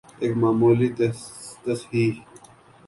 ایک معمولی تصحیح